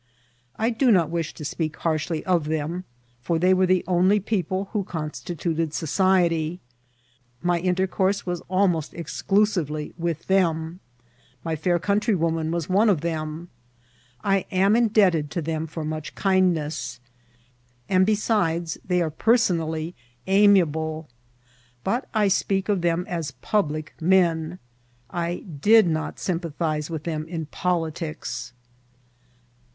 I do not wish to speak harshly of them, for they were the only people who constituted society ; my in* tercourse was almost exclusively with them ; my fair countryw<Mnan was one of them; I am indebted to them for much kindness ; and, besides, they are person ally amiable ; but I speak of them as public men. I did not sympathize with them in politics.